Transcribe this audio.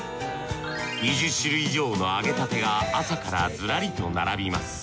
２０種類以上の揚げたてが朝からずらりと並びます。